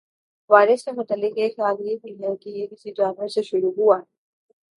virus کے متعلق ایک خیال یہ بھی ہے کہ یہ کسی جانور سے شروع ہوا